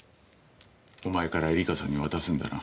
お前から絵梨華さんに渡すんだな。